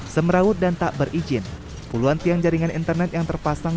semerawut dan tak berizin puluhan tiang jaringan internet yang terpasang